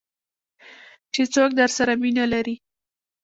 چې څوک درسره مینه لري .